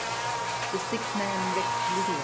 The sick man recked little of CH.